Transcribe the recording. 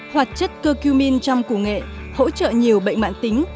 hoạt chất coqmin trong củ nghệ hỗ trợ nhiều bệnh mạng tính